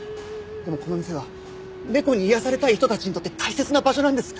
でもこの店は猫に癒やされたい人たちにとって大切な場所なんです。